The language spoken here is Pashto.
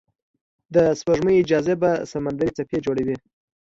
د سپوږمۍ جاذبه سمندري څپې جوړوي.